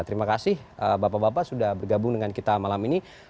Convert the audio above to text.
terima kasih bapak bapak sudah bergabung dengan kita malam ini